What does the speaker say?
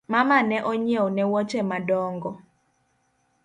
Mama ne onyieo na woche madong’o